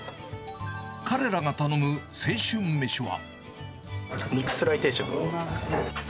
彼らが頼む青春飯は。